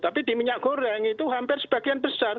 tapi di minyak goreng itu hampir sebagian besar